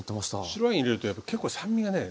白ワイン入れるとやっぱ結構酸味がね